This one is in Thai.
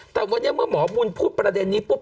แต่วันนี้เมื่อหมอบุญพูดประเด็นนี้ปุ๊บ